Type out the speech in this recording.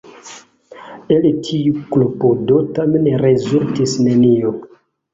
El tiu klopodo tamen rezultis nenio.